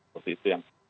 jadi itu yang